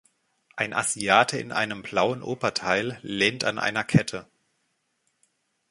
Ein Asiate in einem blauen Oberteil lehnt an einer Kette.